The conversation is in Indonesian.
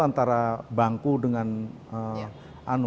antara bangku dengan